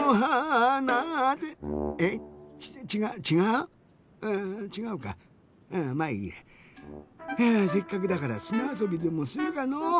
うちがうかまあいいや。えせっかくだからすなあそびでもするかのう。